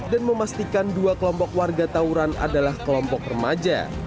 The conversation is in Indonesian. dan memastikan dua kelompok warga tawuran adalah kelompok remaja